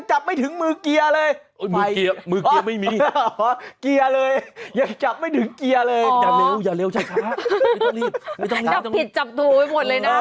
จับผิดจับถูกวิ้นหมดเลยนะ